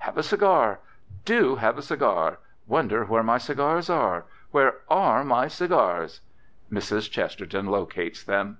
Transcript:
"Have a cigar. Do have a cigar. Wonder where my cigars are! Where are my cigars?" Mrs. Chesterton locates them.